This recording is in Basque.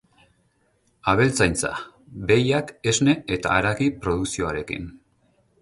Abeltzaintza: Behiak, esne eta haragi produkzioarekin.